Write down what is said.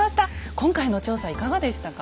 今回の調査いかがでしたか？